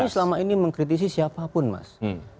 kami selama ini mengkritisi siapapun mas